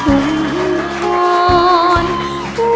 หัวใจยังจำใครทำหนึ่งเบื้องชุมธรรม